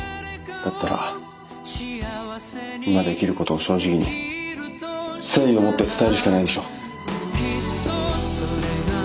だったら今できることを正直に誠意を持って伝えるしかないでしょ。